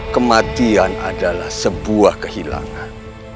kematian adalah sebuah kehilangan